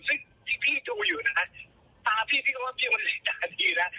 ซึ่งที่พี่ดูอยู่นะฮะตาพี่พี่เขาว่าพี่มันได้การดีนะ